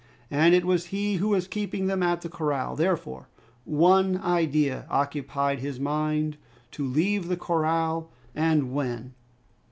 And it was he who was keeping them at the corral! Therefore, one idea occupied his mind to leave the corral, and when!